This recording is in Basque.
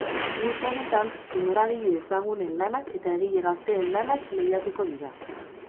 Multzo honetan, zinemagile ezagunen lanak eta egile gazteen lanak lehiatuko dira.